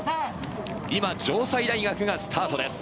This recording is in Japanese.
今、城西大学がスタートです。